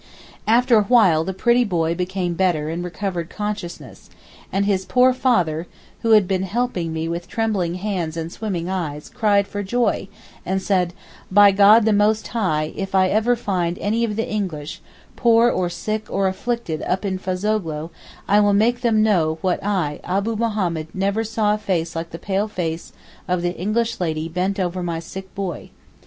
After a while the pretty boy became better and recovered consciousness, and his poor father, who had been helping me with trembling hands and swimming eyes, cried for joy, and said, 'By God the most high, if ever I find any of the English, poor or sick or afflicted up in Fazoghlou, I will make them know that I Abu Mahommed never saw a face like the pale face of the English lady bent over my sick boy.